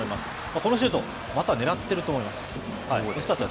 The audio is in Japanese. このシュート、股を狙っていると思います。